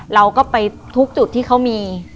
เราก็ไปทุกจุดที่เขามี